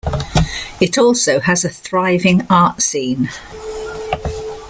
It also has a thriving art scene.